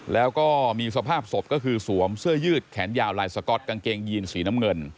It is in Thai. แล้วก็มีสภาพศพก็คือสวมเสื้อยืดแขนยาวลายสก๊อตกางเกงยีนสีน้ำเงิน